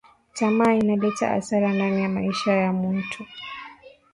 Tamaa inaleta asara ndani ya maisha ya muntu